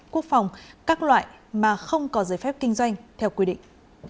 quốc phòng các loại mà không có giới phép kinh doanh theo quy định